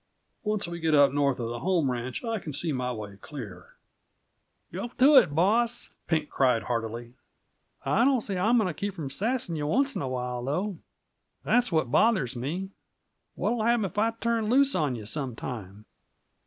Once we get up north uh the home ranch, I can see my way clear." "Go to it, boss," Pink cried heartily. "I don't see how I'm goin t' keep from sassing yuh, once in a while, though. That's what bothers me. What'll happen if I turn loose on yuh, some time?"